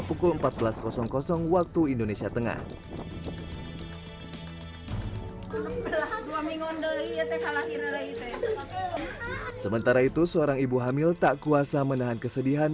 pukul empat belas waktu indonesia tengah sementara itu seorang ibu hamil tak kuasa menahan kesedihan